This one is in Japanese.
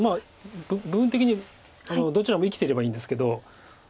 部分的にどちらも生きていればいいんですけど。